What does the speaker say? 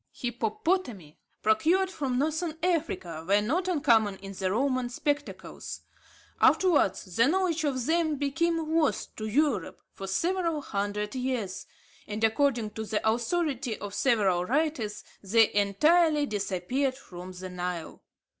Hippopotami procured from Northern Africa were not uncommon in the Roman spectacles. Afterwards, the knowledge of them became lost to Europe for several hundred years; and, according to the authority of several writers, they entirely disappeared from the Nile.